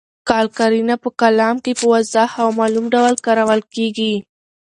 قال قرینه په کلام کي په واضح او معلوم ډول کارول کیږي.